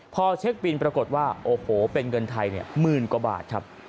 พอเช็คบินปรากฏว่าโอ้โหเป็นเงินไทยหมื่นกว่าบาทครับ